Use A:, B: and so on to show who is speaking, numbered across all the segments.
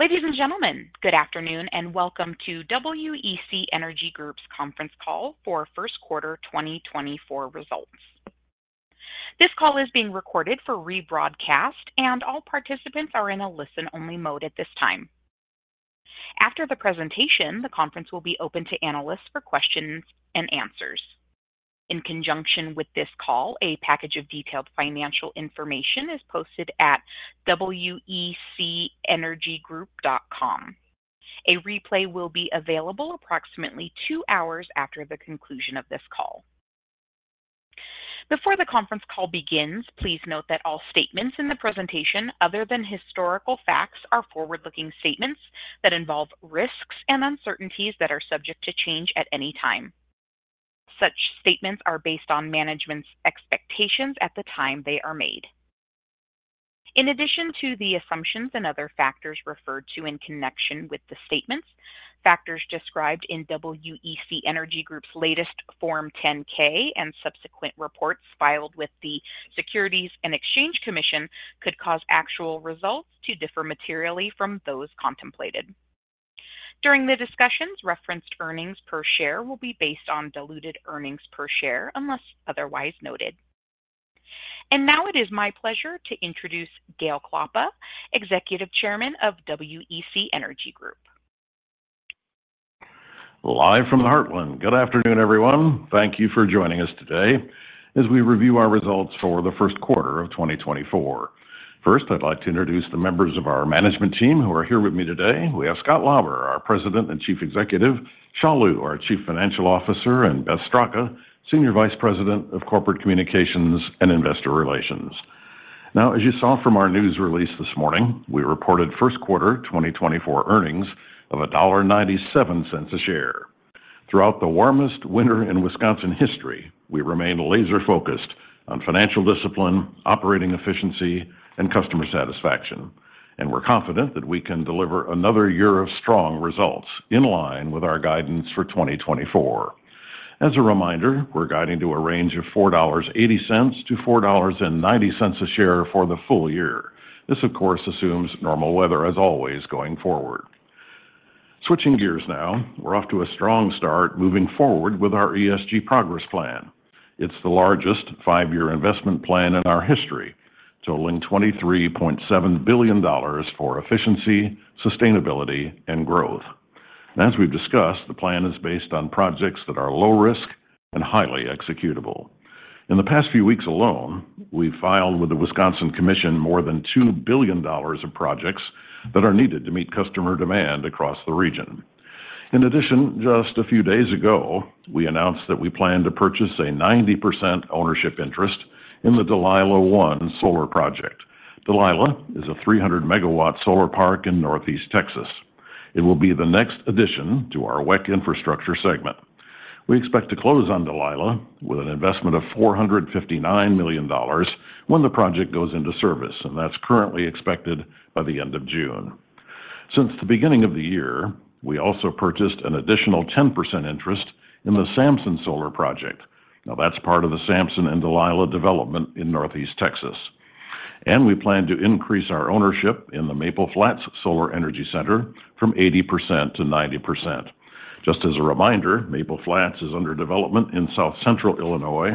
A: Ladies and gentlemen, good afternoon and welcome to WEC Energy Group's conference call for Q1 2024 results. This call is being recorded for rebroadcast, and all participants are in a listen-only mode at this time. After the presentation, the conference will be open to analysts for questions and answers. In conjunction with this call, a package of detailed financial information is posted at wecenergygroup.com. A replay will be available approximately 2 hours after the conclusion of this call. Before the conference call begins, please note that all statements in the presentation, other than historical facts, are forward-looking statements that involve risks and uncertainties that are subject to change at any time. Such statements are based on management's expectations at the time they are made. In addition to the assumptions and other factors referred to in connection with the statements, factors described in WEC Energy Group's latest Form 10-K and subsequent reports filed with the Securities and Exchange Commission could cause actual results to differ materially from those contemplated. During the discussions, referenced earnings per share will be based on diluted earnings per share unless otherwise noted. Now it is my pleasure to introduce Gale Klappa, Executive Chairman of WEC Energy Group.
B: Live from the Heartland, good afternoon, everyone. Thank you for joining us today as we review our results for the Q1 of 2024. First, I'd like to introduce the members of our management team who are here with me today. We have Scott Lauber, our President and Chief Executive, Xia Liu, our Chief Financial Officer, and Beth Straka, Senior Vice President of Corporate Communications and Investor Relations. Now, as you saw from our news release this morning, we reported Q1 2024 earnings of $1.97 a share. Throughout the warmest winter in Wisconsin history, we remain laser-focused on financial discipline, operating efficiency, and customer satisfaction, and we're confident that we can deliver another year of strong results in line with our guidance for 2024. As a reminder, we're guiding to a range of $4.80-$4.90 a share for the full year. This, of course, assumes normal weather as always going forward. Switching gears now, we're off to a strong start moving forward with our ESG Progress Plan. It's the largest five-year investment plan in our history, totaling $23.7 billion for efficiency, sustainability, and growth. And as we've discussed, the plan is based on projects that are low risk and highly executable. In the past few weeks alone, we've filed with the Wisconsin Commission more than $2 billion of projects that are needed to meet customer demand across the region. In addition, just a few days ago, we announced that we plan to purchase a 90% ownership interest in the Delilah I Solar Project. Delilah is a 300-MW solar park in Northeast Texas. It will be the next addition to our WEC infrastructure segment. We expect to close on Delilah with an investment of $459 million when the project goes into service, and that's currently expected by the end of June. Since the beginning of the year, we also purchased an additional 10% interest in the Samson Solar Project. Now, that's part of the Samson and Delilah development in Northeast Texas. We plan to increase our ownership in the Maple Flats Solar Energy Center from 80%-90%. Just as a reminder, Maple Flats is under development in South Central Illinois.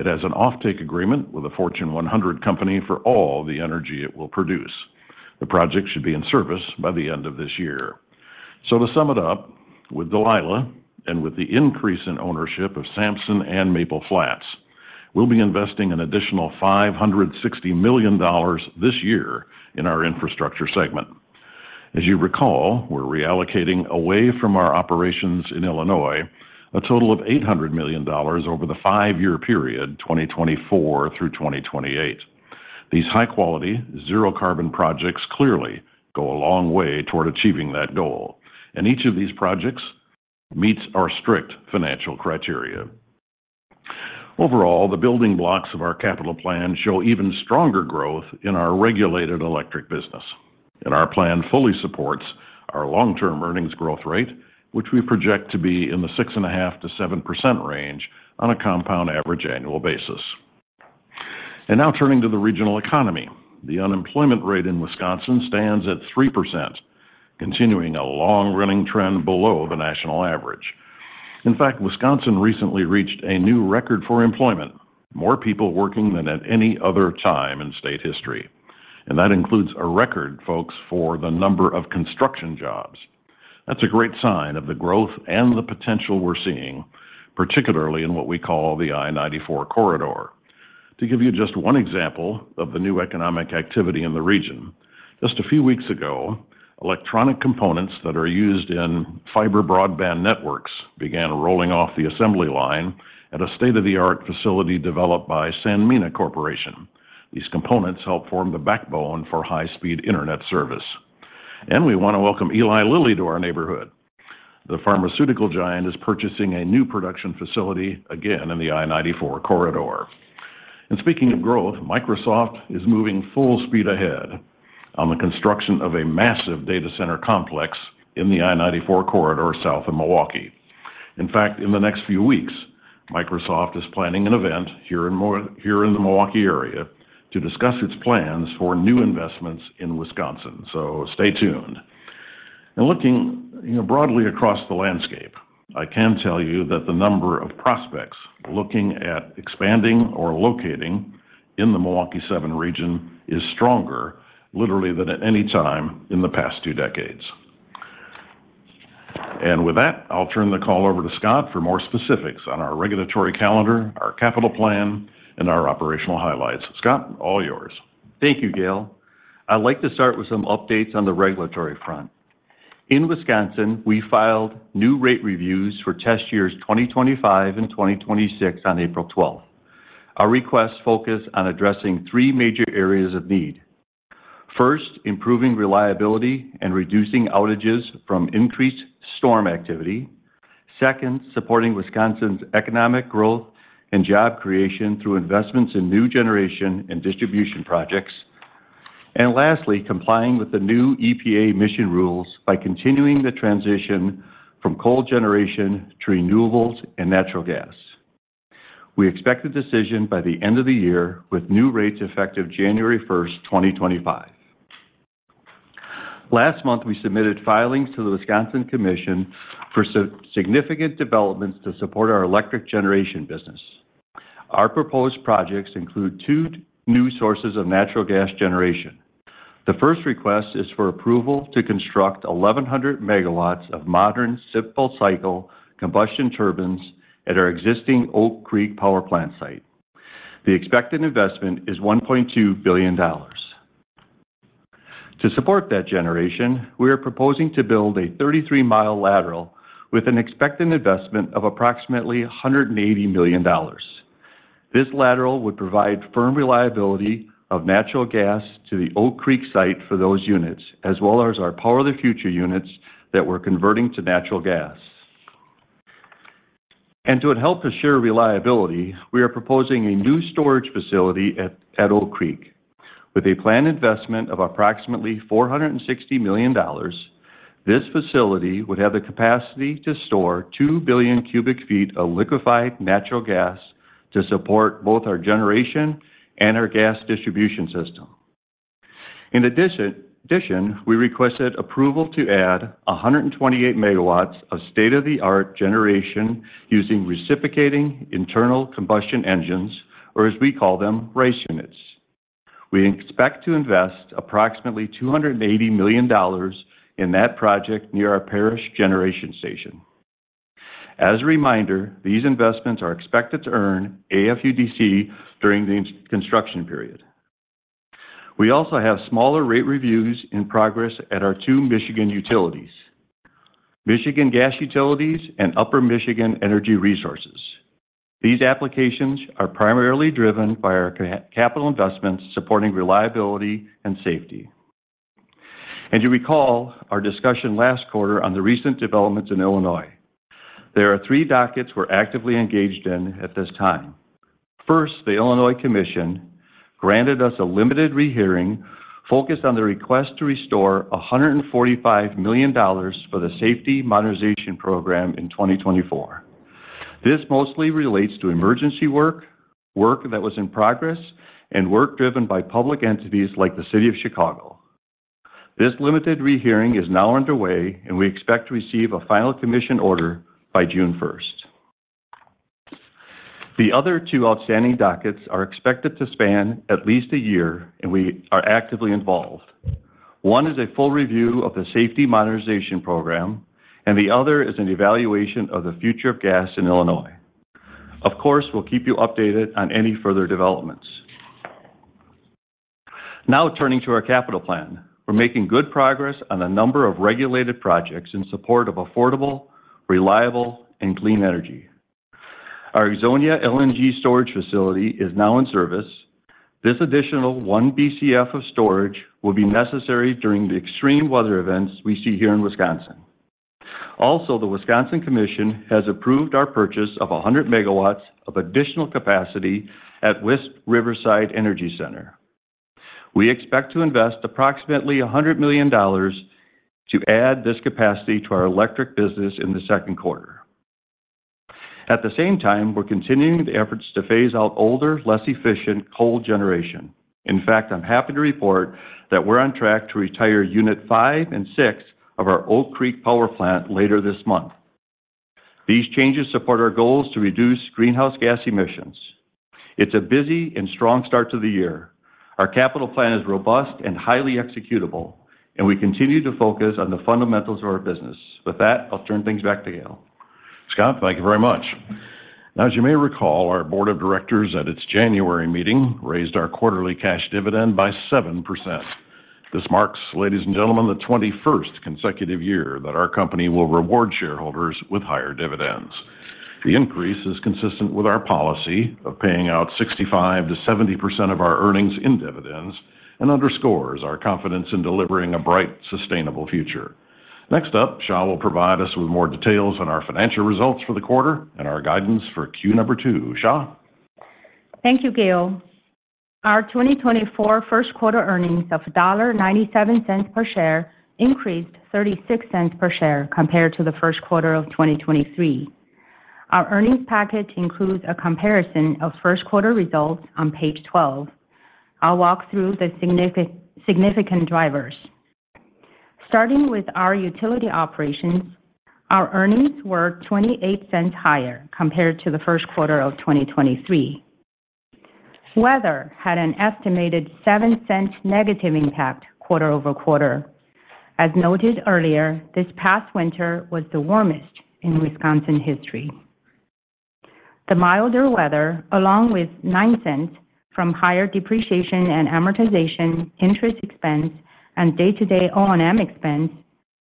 B: It has an offtake agreement with a Fortune 100 company for all the energy it will produce. The project should be in service by the end of this year. So to sum it up, with Delilah and with the increase in ownership of Samson and Maple Flats, we'll be investing an additional $560 million this year in our infrastructure segment. As you recall, we're reallocating away from our operations in Illinois a total of $800 million over the five-year period 2024 through 2028. These high-quality, zero-carbon projects clearly go a long way toward achieving that goal, and each of these projects meets our strict financial criteria. Overall, the building blocks of our capital plan show even stronger growth in our regulated electric business, and our plan fully supports our long-term earnings growth rate, which we project to be in the 6.5%-7% range on a Compound Average Annual Basis. Now turning to the regional economy, the unemployment rate in Wisconsin stands at 3%, continuing a long-running trend below the national average. In fact, Wisconsin recently reached a new record for employment: more people working than at any other time in state history. That includes a record, folks, for the number of construction jobs. That's a great sign of the growth and the potential we're seeing, particularly in what we call the I-94 corridor. To give you just one example of the new economic activity in the region, just a few weeks ago, electronic components that are used in fiber broadband networks began rolling off the assembly line at a state-of-the-art facility developed by Sanmina Corporation. These components help form the backbone for high-speed internet service. And we want to welcome Eli Lilly to our neighborhood. The pharmaceutical giant is purchasing a new production facility again in the I-94 corridor. And speaking of growth, Microsoft is moving full speed ahead on the construction of a massive data center complex in the I-94 corridor south of Milwaukee. In fact, in the next few weeks, Microsoft is planning an event here in the Milwaukee area to discuss its plans for new investments in Wisconsin. So stay tuned. Looking broadly across the landscape, I can tell you that the number of prospects looking at expanding or locating in the Milwaukee 7 region is stronger, literally, than at any time in the past two decades. With that, I'll turn the call over to Scott for more specifics on our regulatory calendar, our capital plan, and our operational highlights. Scott, all yours.
C: Thank you, Gale. I'd like to start with some updates on the regulatory front. In Wisconsin, we filed new rate reviews for test years 2025 and 2026 on April 12th. Our requests focus on addressing three major areas of need. First, improving reliability and reducing outages from increased storm activity. Second, supporting Wisconsin's economic growth and job creation through investments in new generation and distribution projects. And lastly, complying with the new EPA emission rules by continuing the transition from coal generation to renewables and natural gas. We expect the decision by the end of the year with new rates effective January 1st, 2025. Last month, we submitted filings to the Wisconsin Commission for significant developments to support our electric generation business. Our proposed projects include two new sources of natural gas generation. The first request is for approval to construct 1,100 megawatts of modern simple cycle combustion turbines at our existing Oak Creek Power Plant site. The expected investment is $1.2 billion. To support that generation, we are proposing to build a 33-mile lateral with an expected investment of approximately $180 million. This lateral would provide firm reliability of natural gas to the Oak Creek site for those units, as well as our Power the Future units that we're converting to natural gas. To help assure reliability, we are proposing a new storage facility at Oak Creek. With a planned investment of approximately $460 million, this facility would have the capacity to store 2 billion cubic feet of liquefied natural gas to support both our generation and our gas distribution system. In addition, we requested approval to add 128 MW of state-of-the-art generation using reciprocating internal combustion engines, or as we call them, RACE units. We expect to invest approximately $280 million in that project near our Paris generation station. As a reminder, these investments are expected to earn AFUDC during the construction period. We also have smaller rate reviews in progress at our two Michigan utilities: Michigan Gas Utilities and Upper Michigan Energy Resources. These applications are primarily driven by our capital investments supporting reliability and safety. You recall our discussion last quarter on the recent developments in Illinois. There are three dockets we're actively engaged in at this time. First, the Illinois Commerce Commission granted us a limited rehearing focused on the request to restore $145 million for the Safety Modernization Program in 2024. This mostly relates to emergency work, work that was in progress, and work driven by public entities like the City of Chicago. This limited rehearing is now underway, and we expect to receive a final commission order by June 1st. The other two outstanding dockets are expected to span at least a year, and we are actively involved. One is a full review of the Safety Modernization Program, and the other is an evaluation of the future of gas in Illinois. Of course, we'll keep you updated on any further developments. Now turning to our capital plan. We're making good progress on a number of regulated projects in support of affordable, reliable, and clean energy. Our Ixonia LNG Storage Facility is now in service. This additional 1 BCF of storage will be necessary during the extreme weather events we see here in Wisconsin. Also, the Wisconsin Commission has approved our purchase of 100 MW of additional capacity at West Riverside Energy Center. We expect to invest approximately $100 million to add this capacity to our electric business in the Q2. At the same time, we're continuing the efforts to phase out older, less efficient coal generation. In fact, I'm happy to report that we're on track to retire unit 5 and 6 of our Oak Creek Power Plant later this month. These changes support our goals to reduce greenhouse gas emissions. It's a busy and strong start to the year. Our capital plan is robust and highly executable, and we continue to focus on the fundamentals of our business. With that, I'll turn things back to Gale.
B: Scott, thank you very much. Now, as you may recall, our board of directors at its January meeting raised our quarterly cash dividend by 7%. This marks, ladies and gentlemen, the 21st consecutive year that our company will reward shareholders with higher dividends. The increase is consistent with our policy of paying out 65%-70% of our earnings in dividends and underscores our confidence in delivering a bright, sustainable future. Next up, Xia will provide us with more details on our financial results for the quarter and our guidance for Q2. Xia?
D: Thank you, Gale. Our 2024 Q1 earnings of $1.97 per share increased $0.36 per share compared to the Q1 of 2023. Our earnings package includes a comparison of Q1 results on page 12. I'll walk through the significant drivers. Starting with our utility operations, our earnings were $0.28 higher compared to the Q1 of 2023. Weather had an estimated $0.07 negative impact quarter-over-quarter. As noted earlier, this past winter was the warmest in Wisconsin history. The milder weather, along with $0.09 from higher depreciation and amortization, interest expense, and day-to-day O&M expense,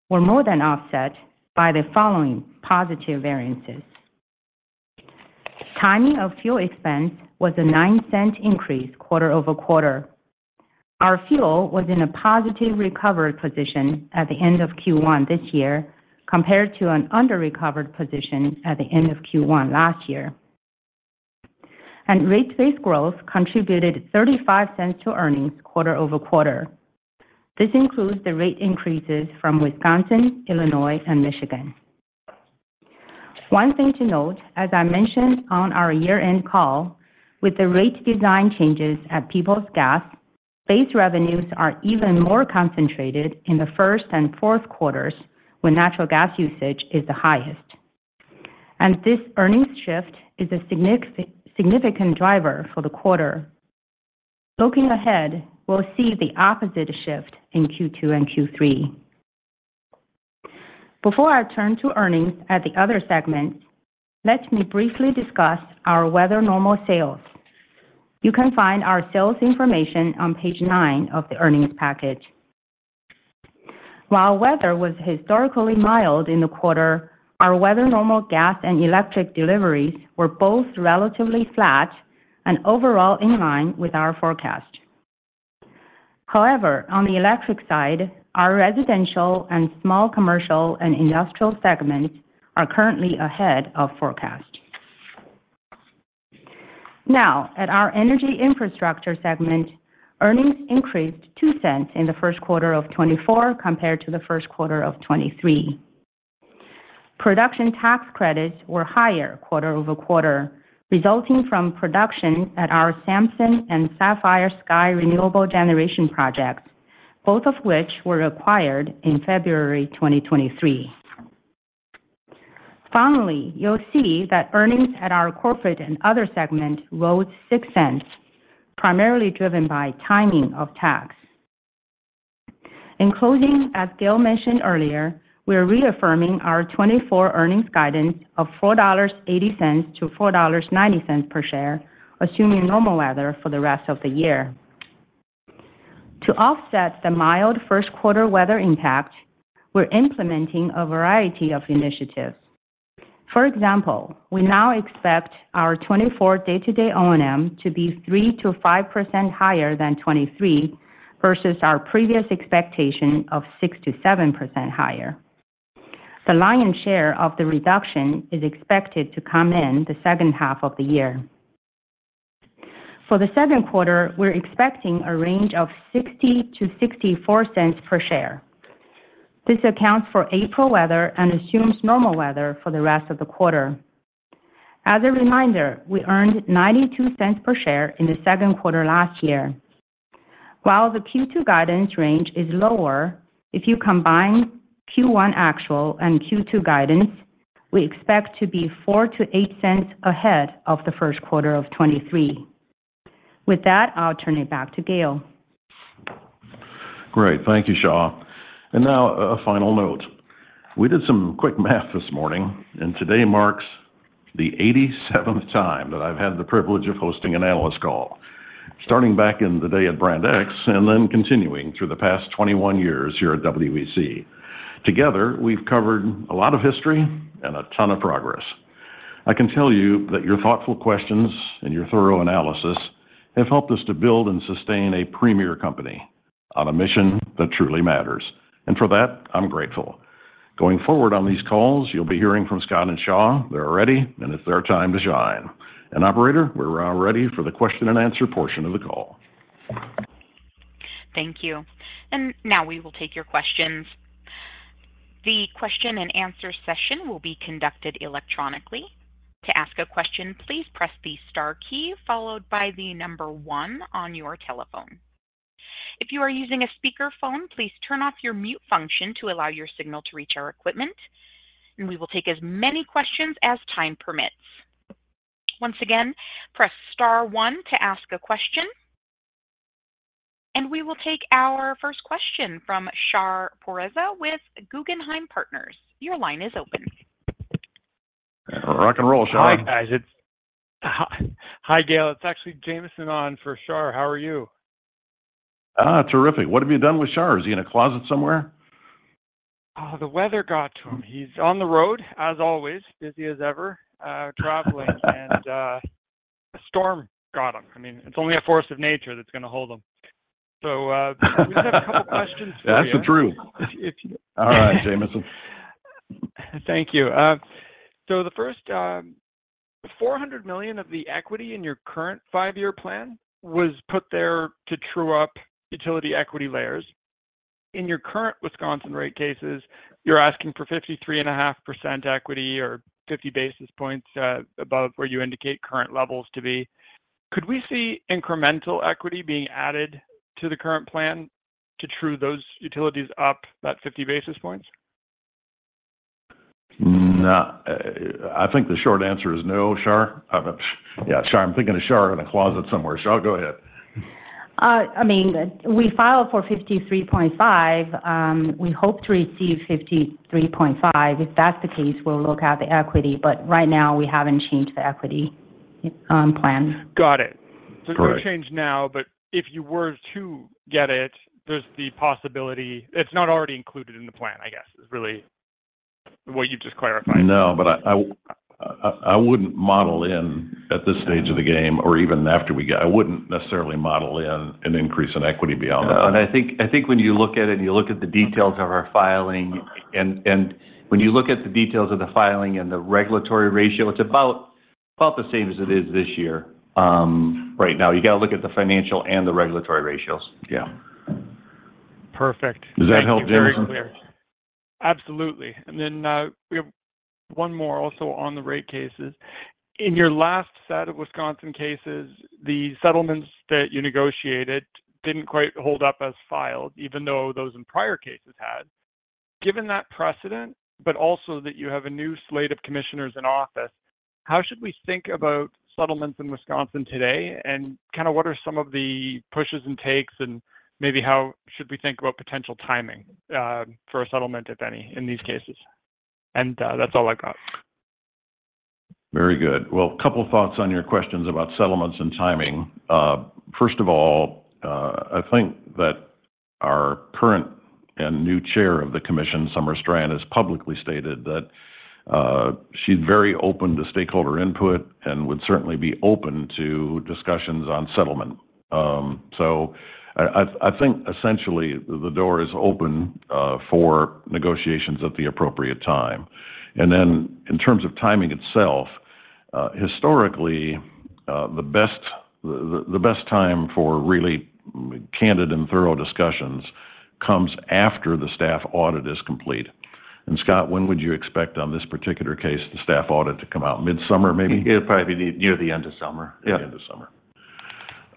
D: were more than offset by the following positive variances. Timing of fuel expense was a $0.09 increase quarter-over-quarter. Our fuel was in a positive recovered position at the end of Q1 this year compared to an under-recovered position at the end of Q1 last year. Rate-based growth contributed $0.35 to earnings quarter-over-quarter. This includes the rate increases from Wisconsin, Illinois, and Michigan. One thing to note, as I mentioned on our year-end call, with the rate design changes at Peoples Gas, base revenues are even more concentrated in the first and Q4 when natural gas usage is the highest. This earnings shift is a significant driver for the quarter. Looking ahead, we'll see the opposite shift in Q2 and Q3. Before I turn to earnings at the other segments, let me briefly discuss our weather-normalized sales. You can find our sales information on page 9 of the earnings package. While weather was historically mild in the quarter, our weather-normalized gas and electric deliveries were both relatively flat and overall in line with our forecast. However, on the electric side, our residential and small commercial and industrial segments are currently ahead of forecast. Now, at our energy infrastructure segment, earnings increased $0.02 in the Q1 of 2024 compared to the Q1 of 2023. Production tax credits were higher quarter-over-quarter, resulting from production at our Samson and Sapphire Sky renewable generation projects, both of which were acquired in February 2023. Finally, you'll see that earnings at our corporate and other segment rose $0.06, primarily driven by timing of tax. In closing, as Gale mentioned earlier, we are reaffirming our 2024 earnings guidance of $4.80-$4.90 per share, assuming normal weather for the rest of the year. To offset the mild Q1 weather impact, we're implementing a variety of initiatives. For example, we now expect our 2024 day-to-day O&M to be 3%-5% higher than 2023 versus our previous expectation of 6%-7% higher. The lion's share of the reduction is expected to come in the second half of the year. For the Q2, we're expecting a range of $0.60-$0.64 per share. This accounts for April weather and assumes normal weather for the rest of the quarter. As a reminder, we earned $0.92 per share in the Q2 last year. While the Q2 guidance range is lower, if you combine Q1 actual and Q2 guidance, we expect to be $0.04-$0.08 ahead of the Q1 of 2023. With that, I'll turn it back to Gale.
B: Great. Thank you, Xia. And now a final note. We did some quick math this morning, and today marks the 87th time that I've had the privilege of hosting an analyst call, starting back in the day at Brand X and then continuing through the past 21 years here at WEC. Together, we've covered a lot of history and a ton of progress. I can tell you that your thoughtful questions and your thorough analysis have helped us to build and sustain a premier company on a mission that truly matters. And for that, I'm grateful. Going forward on these calls, you'll be hearing from Scott and Xia. They're ready, and it's their time to shine. And operator, we're all ready for the question-and-answer portion of the call.
A: Thank you. Now we will take your questions. The question-and-answer session will be conducted electronically. To ask a question, please press the star key followed by the number 1 on your telephone. If you are using a speakerphone, please turn off your mute function to allow your signal to reach our equipment, and we will take as many questions as time permits. Once again, press star 1 to ask a question. We will take our first question from Shar Pourreza with Guggenheim Partners. Your line is open.
E: Rock and roll, Xia. Hi, guys. Hi, Gale. It's actually Jameson on for Shar. How are you?
B: Terrific. What have you done with Shar? Is he in a closet somewhere?
E: The weather got to him. He's on the road, as always, busy as ever, traveling, and a storm got him. I mean, it's only a force of nature that's going to hold him. So we just have a couple of questions for you.
B: That's the truth. All right, Jameson.
E: Thank you. So the first $400 million of the equity in your current five-year plan was put there to true up utility equity layers. In your current Wisconsin rate cases, you're asking for 53.5% equity or 50 basis points above where you indicate current levels to be. Could we see incremental equity being added to the current plan to true those utilities up that 50 basis points?
B: I think the short answer is no, Xia. Yeah, Xia, I'm thinking of Xia in a closet somewhere. Xia, go ahead.
D: I mean, we filed for $53.5. We hope to receive $53.5. If that's the case, we'll look at the equity. But right now, we haven't changed the equity plan.
E: Got it. So there's no change now, but if you were to get it, there's the possibility it's not already included in the plan, I guess, is really what you've just clarified.
B: No, but I wouldn't model in at this stage of the game or even after we get. I wouldn't necessarily model in an increase in equity beyond that.
C: No. I think when you look at it and you look at the details of our filing and when you look at the details of the filing and the regulatory ratio, it's about the same as it is this year right now. You got to look at the financial and the regulatory ratios.
E: Yeah. Perfect.
B: Does that help, Jameson?
E: Absolutely. And then we have one more also on the rate cases. In your last set of Wisconsin cases, the settlements that you negotiated didn't quite hold up as filed, even though those in prior cases had. Given that precedent, but also that you have a new slate of commissioners in office, how should we think about settlements in Wisconsin today, and kind of what are some of the pushes and takes, and maybe how should we think about potential timing for a settlement, if any, in these cases? And that's all I've got.
B: Very good. Well, a couple of thoughts on your questions about settlements and timing. First of all, I think that our current and new chair of the commission, Summer Strand, has publicly stated that she's very open to stakeholder input and would certainly be open to discussions on settlement. So I think, essentially, the door is open for negotiations at the appropriate time. And then in terms of timing itself, historically, the best time for really candid and thorough discussions comes after the staff audit is complete. And Scott, when would you expect on this particular case the staff audit to come out? Midsummer, maybe?
C: It'd probably be near the end of summer.
B: Yeah, end of summer.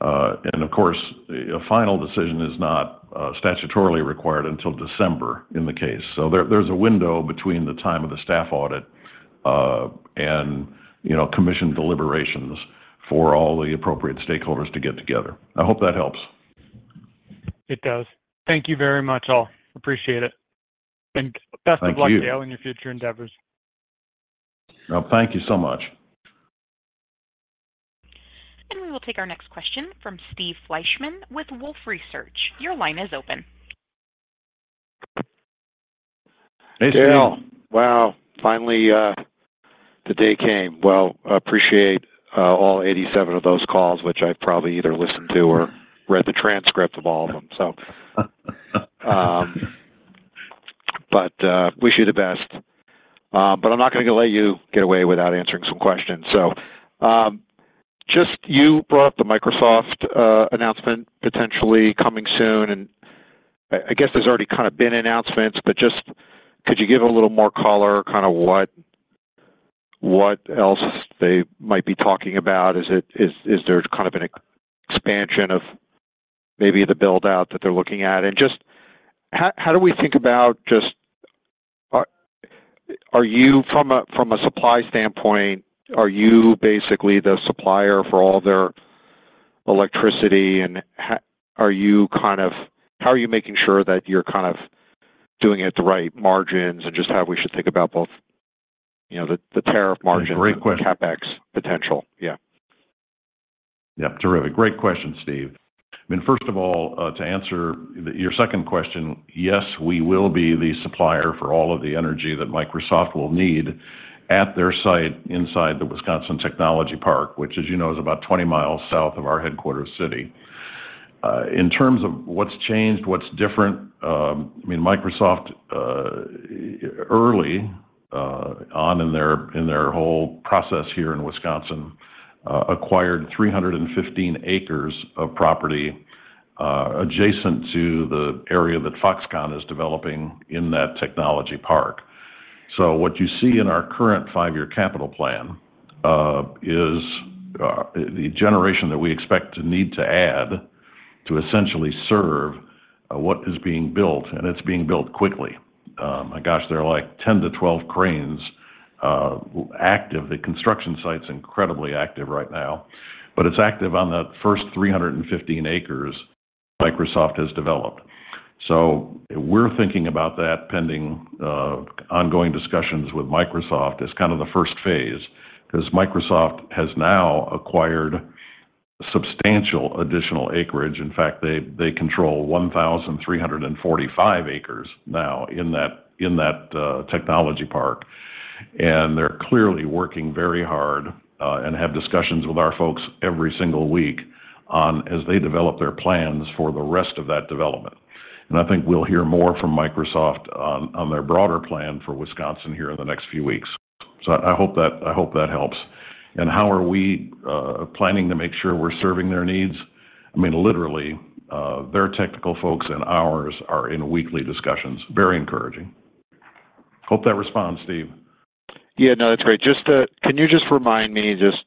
B: Of course, a final decision is not statutorily required until December in the case. There's a window between the time of the staff audit and commission deliberations for all the appropriate stakeholders to get together. I hope that helps.
E: It does. Thank you very much, all. Appreciate it. Best of luck, Gale, in your future endeavors.
B: Well, thank you so much.
A: We will take our next question from Steve Fleishman with Wolfe Research. Your line is open.
B: Hey, Steve.
F: Hey, all. Wow, finally the day came. Well, I appreciate all 87 of those calls, which I've probably either listened to or read the transcript of all of them, so. But wish you the best. But I'm not going to let you get away without answering some questions. So just you brought up the Microsoft announcement potentially coming soon. And I guess there's already kind of been announcements, but just could you give a little more color kind of what else they might be talking about? Is there kind of an expansion of maybe the buildout that they're looking at? Just how do we think about just from a supply standpoint, are you basically the supplier for all their electricity, and are you kind of how are you making sure that you're kind of doing it at the right margins and just how we should think about both the tariff margin and the CapEx potential? Yeah.
B: Yep. Terrific. Great question, Steve. I mean, first of all, to answer your second question, yes, we will be the supplier for all of the energy that Microsoft will need at their site inside the Wisconsin Technology Park, which, as you know, is about 20 miles south of our headquarters city. In terms of what's changed, what's different, I mean, Microsoft early on in their whole process here in Wisconsin acquired 315 acres of property adjacent to the area that Foxconn is developing in that technology park. So what you see in our current five-year capital plan is the generation that we expect to need to add to essentially serve what is being built, and it's being built quickly. My gosh, there are like 10-12 cranes active. The construction site's incredibly active right now, but it's active on that first 315 acres Microsoft has developed. So we're thinking about that pending ongoing discussions with Microsoft as kind of the first phase because Microsoft has now acquired substantial additional acreage. In fact, they control 1,345 acres now in that technology park. And they're clearly working very hard and have discussions with our folks every single week as they develop their plans for the rest of that development. And I think we'll hear more from Microsoft on their broader plan for Wisconsin here in the next few weeks. So I hope that helps. And how are we planning to make sure we're serving their needs? I mean, literally, their technical folks and ours are in weekly discussions. Very encouraging. Hope that responds, Steve.
F: Yeah. No, that's great. Can you just remind me, just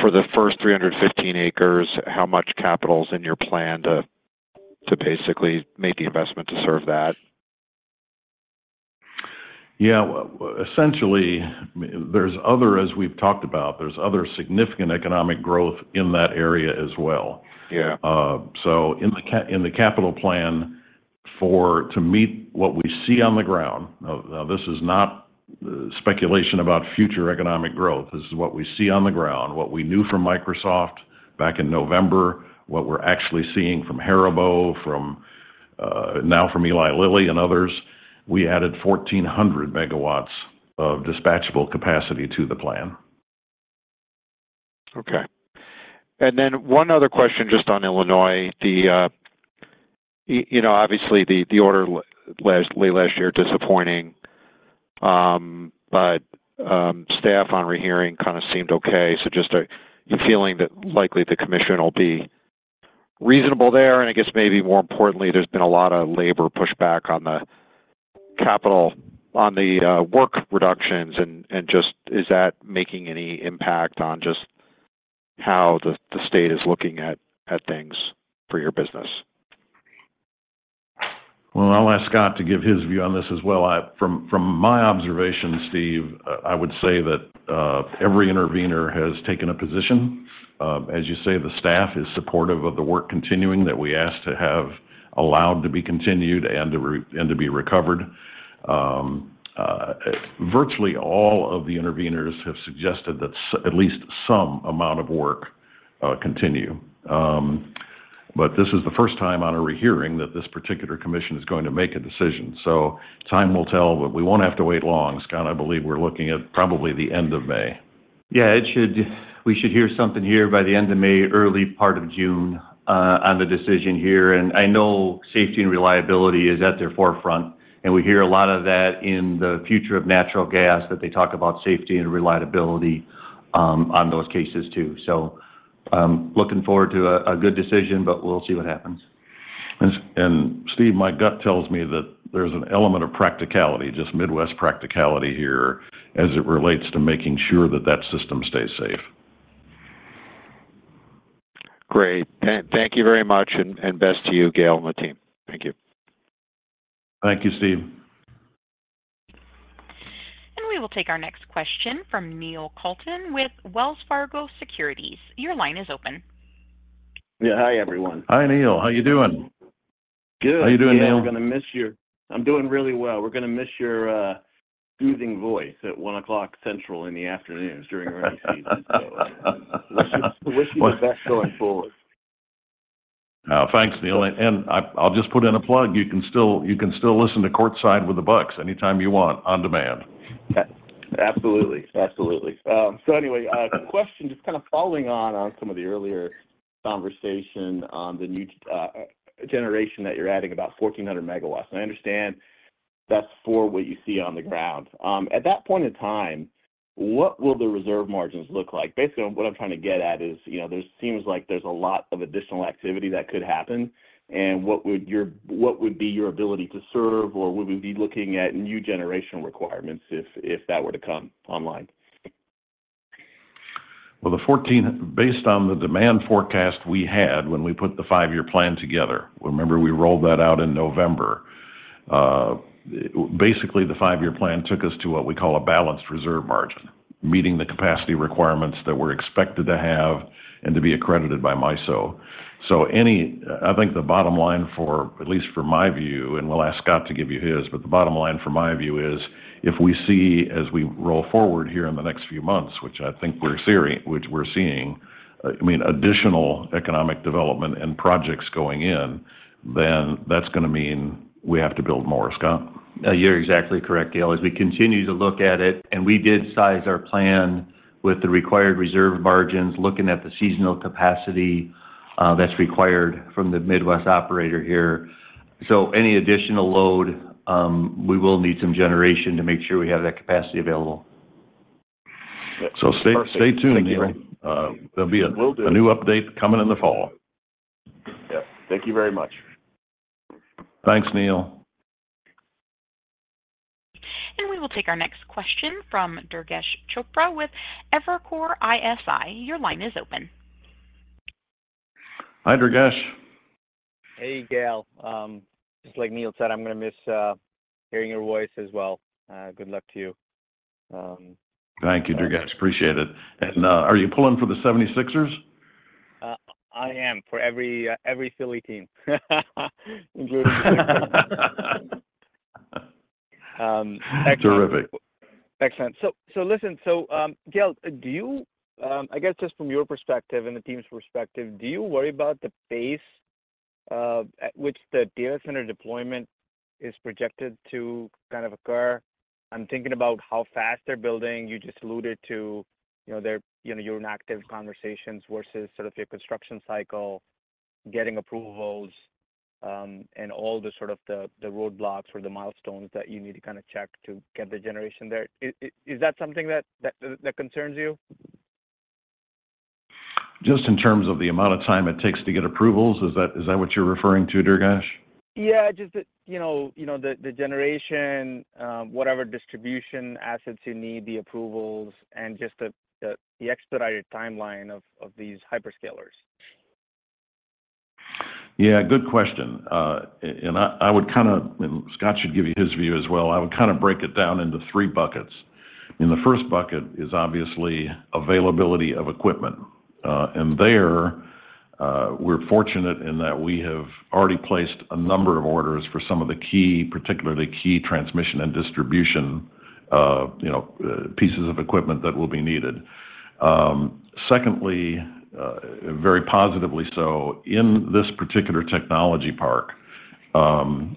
F: for the first 315 acres, how much capital is in your plan to basically make the investment to serve that?
B: Yeah. Essentially, as we've talked about, there's other significant economic growth in that area as well. So in the capital plan to meet what we see on the ground now, this is not speculation about future economic growth. This is what we see on the ground, what we knew from Microsoft back in November, what we're actually seeing from Haribo, now from Eli Lilly and others. We added 1,400 megawatts of dispatchable capacity to the plan.
F: Okay. And then one other question just on Illinois. Obviously, the order late last year disappointing, but staff on rehearing kind of seemed okay. So just you feeling that likely the commission will be reasonable there. And I guess maybe more importantly, there's been a lot of labor pushback on the work reductions. And just is that making any impact on just how the state is looking at things for your business?
B: Well, I'll ask Scott to give his view on this as well. From my observation, Steve, I would say that every intervenor has taken a position. As you say, the staff is supportive of the work continuing that we asked to have allowed to be continued and to be recovered. Virtually all of the intervenors have suggested that at least some amount of work continue. But this is the first time on a rehearing that this particular commission is going to make a decision. So time will tell, but we won't have to wait long. Scott, I believe we're looking at probably the end of May.
F: Yeah. We should hear something here by the end of May, early part of June on the decision here. I know safety and reliability is at their forefront. We hear a lot of that in the future of natural gas that they talk about safety and reliability on those cases too. Looking forward to a good decision, but we'll see what happens.
B: And Steve, my gut tells me that there's an element of practicality, just Midwest practicality here as it relates to making sure that that system stays safe.
F: Great. Thank you very much. And best to you, Gale, and the team. Thank you.
B: Thank you, Steve.
A: We will take our next question from Neil Kalton with Wells Fargo Securities. Your line is open.
G: Yeah. Hi, everyone.
B: Hi, Neil. How you doing?
G: Good.
B: How you doing, Neil?
G: Yeah. We're going to miss you. I'm doing really well. We're going to miss your soothing voice at 1:00 P.M. Central in the afternoons during rainy seasons. So, wish you the best going forward.
B: Thanks, Neil. I'll just put in a plug. You can still listen to Courtside with the Bucks anytime you want on demand.
G: Absolutely. Absolutely. So anyway, question just kind of following on some of the earlier conversation on the new generation that you're adding about 1,400 megawatts. And I understand that's for what you see on the ground. At that point in time, what will the reserve margins look like? Basically, what I'm trying to get at is there seems like there's a lot of additional activity that could happen. And what would be your ability to serve, or would we be looking at new generation requirements if that were to come online?
B: Well, based on the demand forecast we had when we put the five-year plan together, remember, we rolled that out in November. Basically, the five-year plan took us to what we call a balanced reserve margin, meeting the capacity requirements that we're expected to have and to be accredited by MISO. So I think the bottom line for at least for my view and we'll ask Scott to give you his, but the bottom line for my view is if we see, as we roll forward here in the next few months, which I think we're seeing, I mean, additional economic development and projects going in, then that's going to mean we have to build more, Scott.
C: You're exactly correct, Gale, as we continue to look at it. And we did size our plan with the required reserve margins, looking at the seasonal capacity that's required from the Midwest operator here. So any additional load, we will need some generation to make sure we have that capacity available.
B: So stay tuned, Neil. There'll be a new update coming in the fall.
G: Yep. Thank you very much.
B: Thanks, Neil.
A: We will take our next question from Durgesh Chopra with Evercore ISI. Your line is open.
B: Hi, Durgesh.
H: Hey, Gale. Just like Neil said, I'm going to miss hearing your voice as well. Good luck to you.
B: Thank you, Durgesh. Appreciate it. And are you pulling for the 76ers?
H: I am for every Philly team, including the 76ers. Excellent.
B: Terrific.
H: Excellent. So, listen, Gale, I guess just from your perspective and the team's perspective, do you worry about the pace at which the data center deployment is projected to kind of occur? I'm thinking about how fast they're building. You just alluded to your ongoing conversations versus sort of your construction cycle, getting approvals, and all sorts of roadblocks or the milestones that you need to kind of check to get the generation there. Is that something that concerns you?
B: Just in terms of the amount of time it takes to get approvals, is that what you're referring to, Durgesh?
H: Yeah. Just the generation, whatever distribution assets you need, the approvals, and just the expedited timeline of these hyperscalers.
B: Yeah. Good question. And I would kind of, and Scott should give you his view as well. I would kind of break it down into three buckets. I mean, the first bucket is obviously availability of equipment. And there, we're fortunate in that we have already placed a number of orders for some of the particularly key transmission and distribution pieces of equipment that will be needed. Secondly, very positively so, in this particular technology park,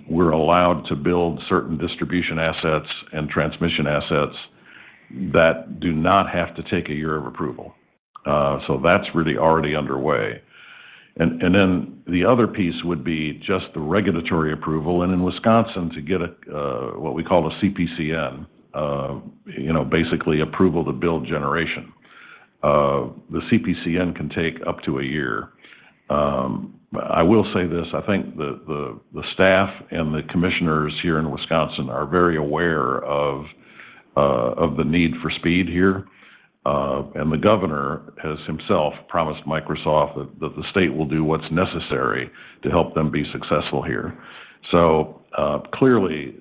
B: we're allowed to build certain distribution assets and transmission assets that do not have to take a year of approval. So that's really already underway. And then the other piece would be just the regulatory approval. And in Wisconsin, to get what we call a CPCN, basically approval to build generation, the CPCN can take up to a year. I will say this. I think the staff and the commissioners here in Wisconsin are very aware of the need for speed here. The governor has himself promised Microsoft that the state will do what's necessary to help them be successful here. Clearly,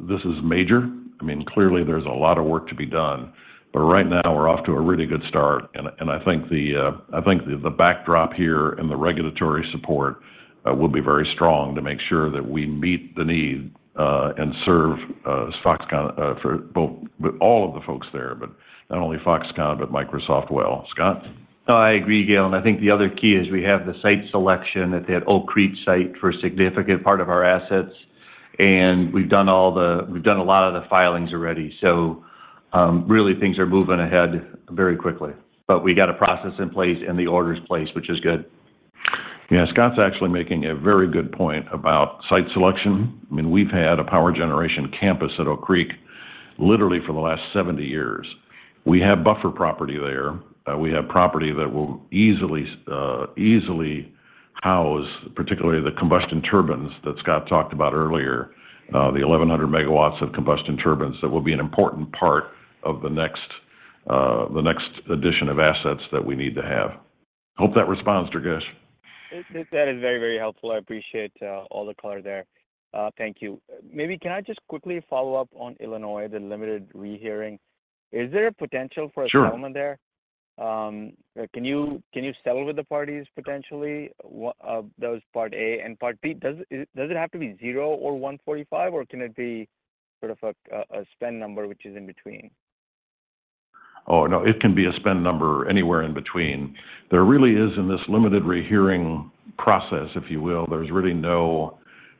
B: this is major. I mean, clearly, there's a lot of work to be done. Right now, we're off to a really good start. I think the backdrop here and the regulatory support will be very strong to make sure that we meet the need and serve as Foxconn for all of the folks there, but not only Foxconn, but Microsoft well. Scott?
C: Oh, I agree, Gale. And I think the other key is we have the site selection at that Oak Creek site for a significant part of our assets. And we've done a lot of the filings already. So really, things are moving ahead very quickly. But we got a process in place and the orders placed, which is good.
B: Yeah. Scott's actually making a very good point about site selection. I mean, we've had a power generation campus at Oak Creek literally for the last 70 years. We have buffer property there. We have property that will easily house, particularly the combustion turbines that Scott talked about earlier, the 1,100 megawatts of combustion turbines that will be an important part of the next addition of assets that we need to have. Hope that responds, Durgesh.
H: That is very, very helpful. I appreciate all the color there. Thank you. Maybe can I just quickly follow up on Illinois, the limited rehearing? Is there a potential for a settlement there?
B: Sure.
H: Can you settle with the parties potentially, those part A and part B? Does it have to be 0 or 145, or can it be sort of a spend number which is in between?
B: Oh, no. It can be a spend number anywhere in between. There really is, in this limited rehearing process, if you will, there's really no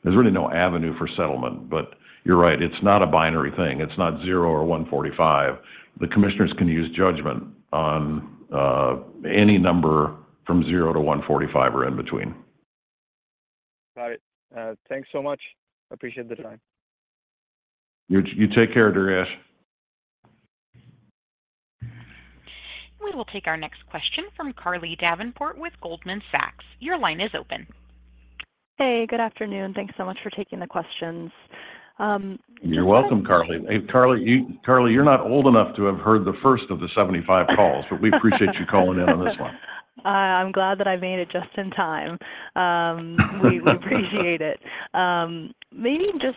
B: avenue for settlement. But you're right. It's not a binary thing. It's not $0 or $145. The commissioners can use judgment on any number from $0 to $145 or in between.
H: Got it. Thanks so much. Appreciate the time.
B: You take care, Durgesh.
A: We will take our next question from Carly Davenport with Goldman Sachs. Your line is open.
I: Hey. Good afternoon. Thanks so much for taking the questions.
B: You're welcome, Carly. Hey, Carly, you're not old enough to have heard the first of the 75 calls, but we appreciate you calling in on this one.
I: I'm glad that I made it just in time. We appreciate it. Maybe just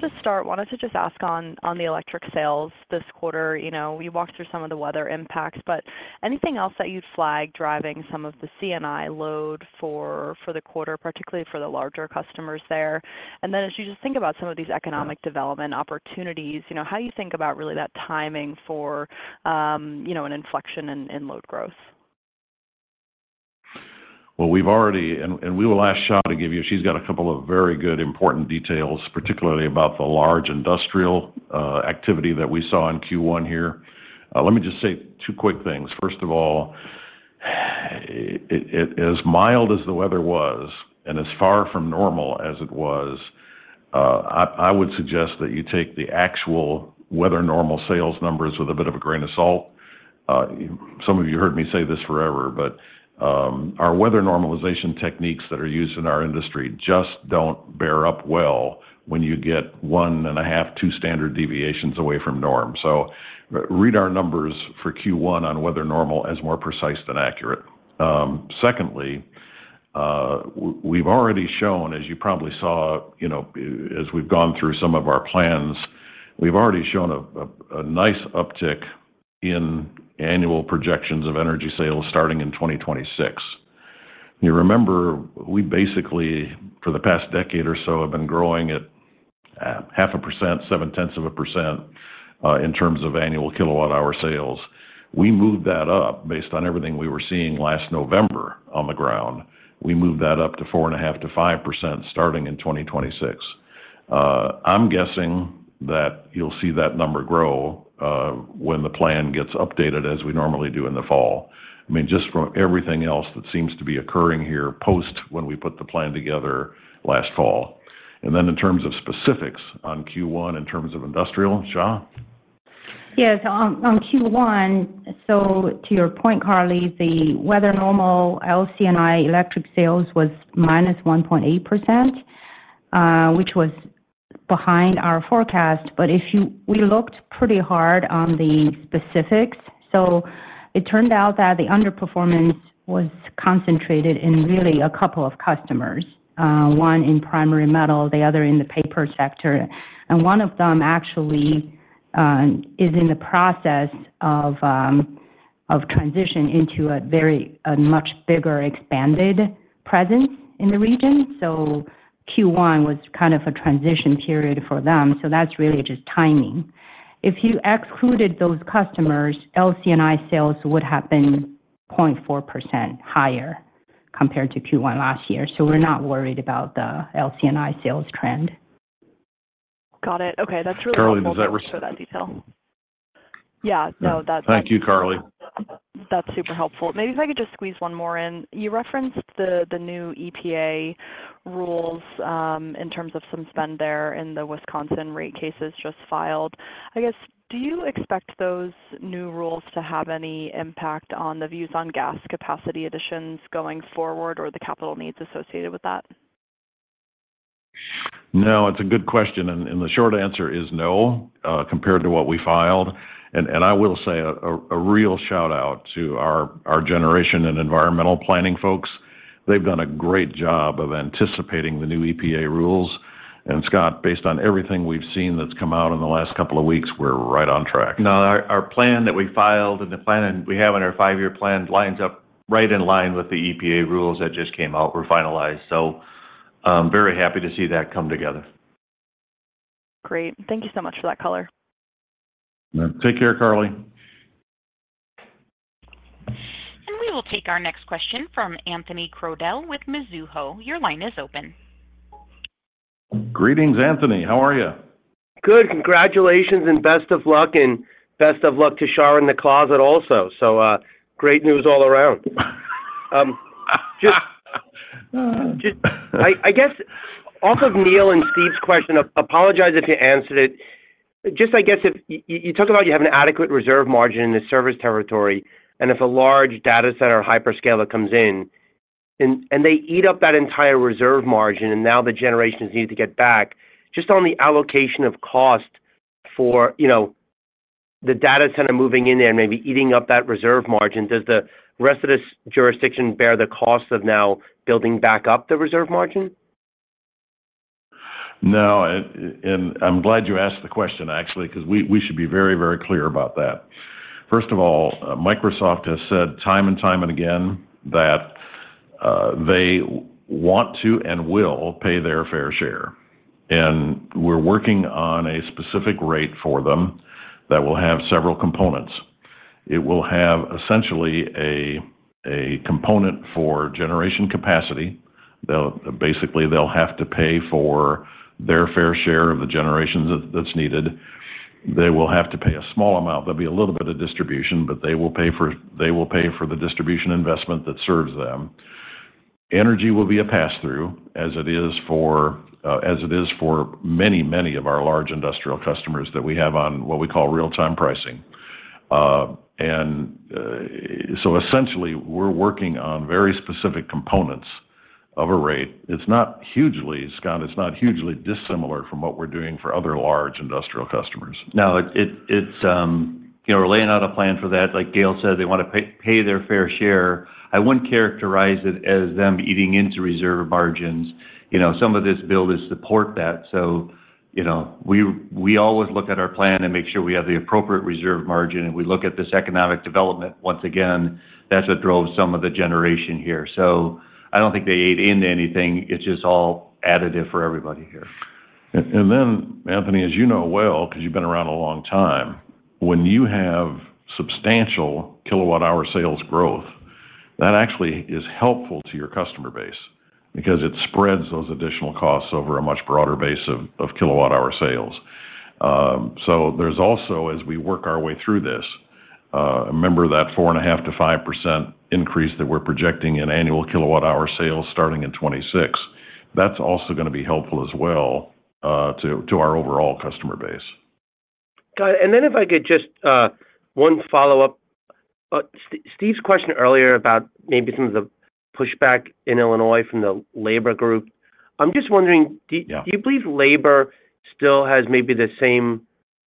I: to start, wanted to just ask on the electric sales this quarter. We walked through some of the weather impacts. But anything else that you'd flag driving some of the CNI load for the quarter, particularly for the larger customers there? And then as you just think about some of these economic development opportunities, how do you think about really that timing for an inflection in load growth?
B: Well, we will ask Shaw to give you she's got a couple of very good important details, particularly about the large industrial activity that we saw in Q1 here. Let me just say two quick things. First of all, as mild as the weather was and as far from normal as it was, I would suggest that you take the actual weather-normal sales numbers with a bit of a grain of salt. Some of you heard me say this forever, but our weather normalization techniques that are used in our industry just don't bear up well when you get 1.5, 2 standard deviations away from norm. So read our numbers for Q1 on weather-normal as more precise than accurate. Secondly, we've already shown, as you probably saw as we've gone through some of our plans, we've already shown a nice uptick in annual projections of energy sales starting in 2026. You remember, we basically, for the past decade or so, have been growing at 0.5%, 0.7% in terms of annual kilowatt-hour sales. We moved that up based on everything we were seeing last November on the ground. We moved that up to 4.5%-5% starting in 2026. I'm guessing that you'll see that number grow when the plan gets updated as we normally do in the fall, I mean, just from everything else that seems to be occurring here post when we put the plan together last fall. And then in terms of specifics on Q1 in terms of industrial, Shaw?
J: Yes. So to your point, Carly, the weather-normal LC&I electric sales was -1.8%, which was behind our forecast. But we looked pretty hard on the specifics. So it turned out that the underperformance was concentrated in really a couple of customers, one in primary metal, the other in the paper sector. And one of them actually is in the process of transition into a much bigger expanded presence in the region. So Q1 was kind of a transition period for them. So that's really just timing. If you excluded those customers, LC&I sales would have been 0.4% higher compared to Q1 last year. So we're not worried about the LC&I sales trend.
I: Got it. Okay. That's really helpful.
B: Carly, does that.
I: For that detail? Yeah. No, that's.
B: Thank you, Carly.
I: That's super helpful. Maybe if I could just squeeze one more in. You referenced the new EPA rules in terms of some spend there in the Wisconsin rate cases just filed. I guess, do you expect those new rules to have any impact on the views on gas capacity additions going forward or the capital needs associated with that?
B: No. It's a good question. The short answer is no compared to what we filed. I will say a real shout-out to our generation and environmental planning folks. They've done a great job of anticipating the new EPA rules. Scott, based on everything we've seen that's come out in the last couple of weeks, we're right on track.
C: No. Our plan that we filed and the plan we have in our five-year plan lines up right in line with the EPA rules that just came out, were finalized. So very happy to see that come together.
I: Great. Thank you so much for that color.
B: Take care, Carly.
A: We will take our next question from Anthony Crowdell with Mizuho. Your line is open.
B: Greetings, Anthony. How are you?
K: Good. Congratulations and best of luck. And best of luck to Shar in the closet also. So great news all around. I guess off of Neil and Steve's question, apologize if you answered it. Just I guess if you talk about you have an adequate reserve margin in the service territory and if a large data center hyperscaler comes in and they eat up that entire reserve margin, and now the generation is needed to get back, just on the allocation of cost for the data center moving in there and maybe eating up that reserve margin, does the rest of this jurisdiction bear the cost of now building back up the reserve margin?
B: No. I'm glad you asked the question, actually, because we should be very, very clear about that. First of all, Microsoft has said time and time again that they want to and will pay their fair share. We're working on a specific rate for them that will have several components. It will have essentially a component for generation capacity. Basically, they'll have to pay for their fair share of the generations that's needed. They will have to pay a small amount. There'll be a little bit of distribution, but they will pay for the distribution investment that serves them. Energy will be a pass-through as it is for many, many of our large industrial customers that we have on what we call real-time pricing. So essentially, we're working on very specific components of a rate. It's not hugely, Scott, it's not hugely dissimilar from what we're doing for other large industrial customers.
C: Now, we're laying out a plan for that. Like Gale said, they want to pay their fair share. I wouldn't characterize it as them eating into reserve margins. Some of this bill does support that. So we always look at our plan and make sure we have the appropriate reserve margin. And we look at this economic development. Once again, that's what drove some of the generation here. So I don't think they ate into anything. It's just all additive for everybody here.
B: Anthony, as you know well because you've been around a long time, when you have substantial kilowatt-hour sales growth, that actually is helpful to your customer base because it spreads those additional costs over a much broader base of kilowatt-hour sales. So there's also, as we work our way through this, remember that 4.5%-5% increase that we're projecting in annual kilowatt-hour sales starting in 2026? That's also going to be helpful as well to our overall customer base.
K: Got it. And then if I could just one follow-up. Steve's question earlier about maybe some of the pushback in Illinois from the labor group. I'm just wondering, do you believe labor still has maybe the same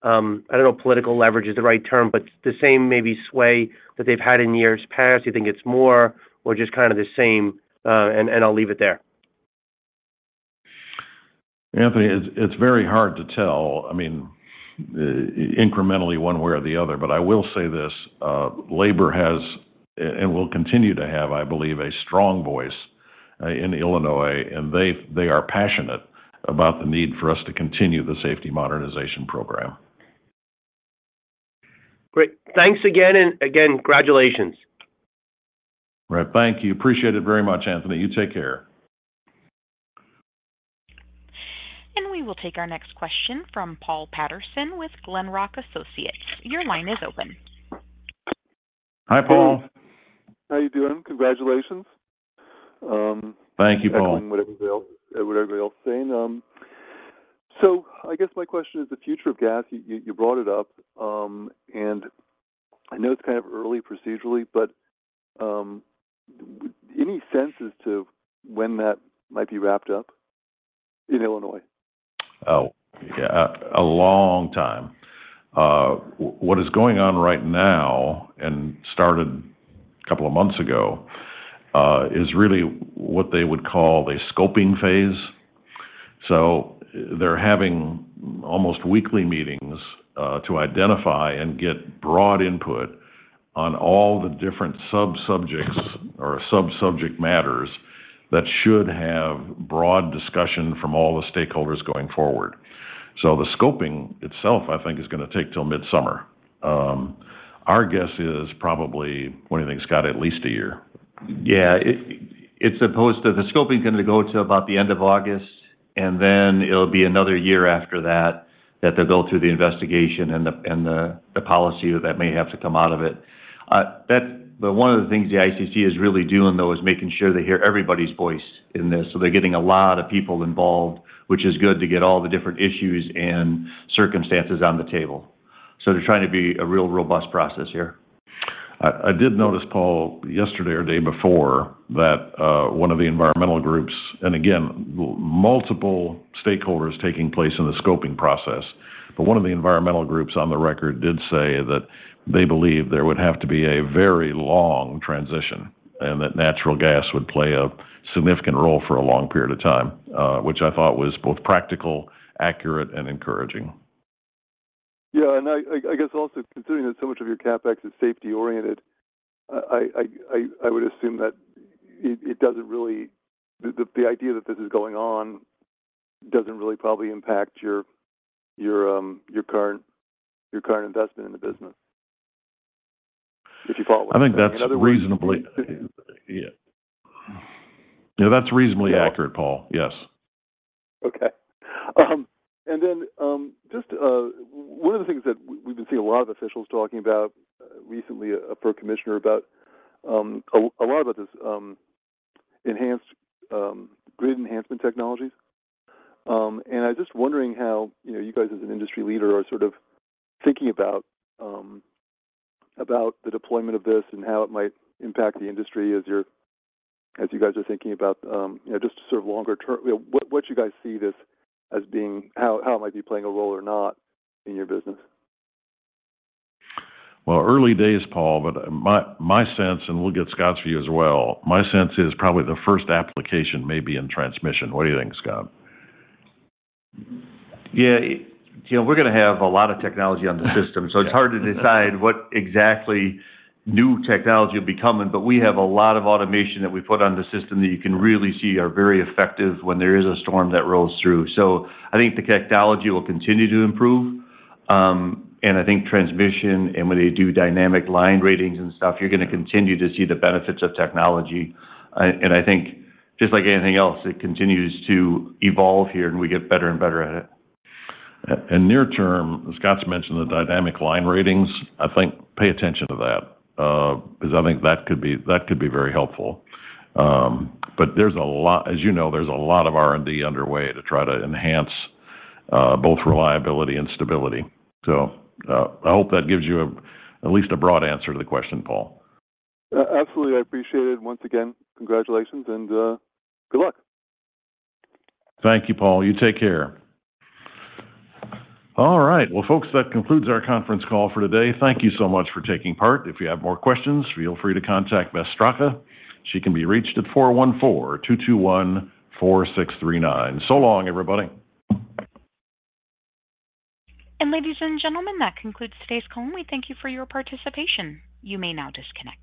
K: I don't know, political leverage is the right term, but the same maybe sway that they've had in years past? Do you think it's more or just kind of the same? And I'll leave it there.
B: Anthony, it's very hard to tell. I mean, incrementally one way or the other. But I will say this. Labor has and will continue to have, I believe, a strong voice in Illinois. And they are passionate about the need for us to continue the Safety Modernization Program.
K: Great. Thanks again. And again, congratulations.
B: Right. Thank you. Appreciate it very much, Anthony. You take care.
A: We will take our next question from Paul Patterson with Glenrock Associates. Your line is open.
B: Hi, Paul.
L: Hi. How are you doing? Congratulations.
B: Thank you, Paul.
L: I guess my question is the future of gas. You brought it up. I know it's kind of early procedurally, but any sense as to when that might be wrapped up in Illinois?
B: Oh, yeah. A long time. What is going on right now and started a couple of months ago is really what they would call a scoping phase. So they're having almost weekly meetings to identify and get broad input on all the different subsubjects or subsubject matters that should have broad discussion from all the stakeholders going forward. So the scoping itself, I think, is going to take till midsummer. Our guess is probably what do you think, Scott? At least a year.
C: Yeah. The scoping is going to go till about the end of August. And then it'll be another year after that that they'll go through the investigation and the policy that may have to come out of it. But one of the things the ICC is really doing, though, is making sure they hear everybody's voice in this. So they're getting a lot of people involved, which is good to get all the different issues and circumstances on the table. So they're trying to be a real robust process here.
B: I did notice, Paul, yesterday or the day before that one of the environmental groups, and again, multiple stakeholders taking place in the scoping process. But one of the environmental groups on the record did say that they believe there would have to be a very long transition and that natural gas would play a significant role for a long period of time, which I thought was both practical, accurate, and encouraging.
L: Yeah. I guess, also considering that so much of your CapEx is safety-oriented, I would assume that the idea that this is going on doesn't really probably impact your current investment in the business, if you follow what I'm saying.
B: I think that's reasonably.
L: Yeah.
B: Yeah. That's reasonably accurate, Paul. Yes. Okay. And then just one of the things that we've been seeing a lot of officials talking about recently, the first commissioner, a lot about this grid enhancement technologies. And I'm just wondering how you guys, as an industry leader, are sort of thinking about the deployment of this and how it might impact the industry as you guys are thinking about just to serve longer-term what you guys see this as being how it might be playing a role or not in your business.
M: Well, early days, Paul, but my sense and we'll get Scott's view as well. My sense is probably the first application may be in transmission. What do you think, Scott?
C: Yeah. We're going to have a lot of technology on the system. So it's hard to decide what exactly new technology will be coming. But we have a lot of automation that we put on the system that you can really see are very effective when there is a storm that rolls through. So I think the technology will continue to improve. And I think transmission and when they do Dynamic Line Ratings and stuff, you're going to continue to see the benefits of technology. And I think just like anything else, it continues to evolve here, and we get better and better at it.
B: Near term, Scott's mentioned the Dynamic Line Ratings. I think pay attention to that because I think that could be very helpful. But as you know, there's a lot of R&D underway to try to enhance both reliability and stability. So I hope that gives you at least a broad answer to the question, Paul.
L: Absolutely. I appreciate it. Once again, congratulations and good luck.
B: Thank you, Paul. You take care. All right. Well, folks, that concludes our conference call for today. Thank you so much for taking part. If you have more questions, feel free to contact Beth Straka. She can be reached at 414-221-4639. So long, everybody.
A: Ladies and gentlemen, that concludes today's call. We thank you for your participation. You may now disconnect.